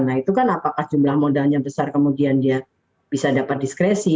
nah itu kan apakah jumlah modalnya besar kemudian dia bisa dapat diskresi